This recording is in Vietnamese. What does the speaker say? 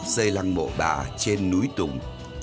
xây lăng mộ bà trên núi tùng